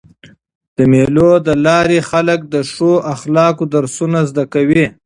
د مېلو له لاري خلک د ښو اخلاقو درسونه زده کوي.